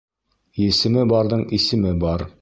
Есеме барҙың исеме бар.